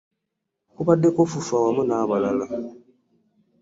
Kubaddeko FUFA awamu n'abalala.